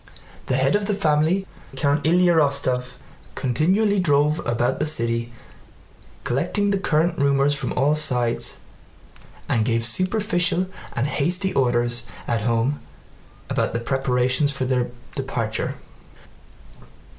The head of the family, Count Ilyá Rostóv, continually drove about the city collecting the current rumors from all sides and gave superficial and hasty orders at home about the preparations for their departure.